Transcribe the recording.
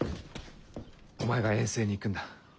お前が遠征に行くんだ。